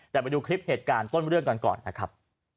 แต่ไปดูคลิปเหตุการณ์ต้นเรื่องกันก่อนนะครับ